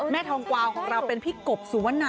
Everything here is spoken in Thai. แม่ทองกวาวของเราเป็นพี่กบสุวรรณค่ะ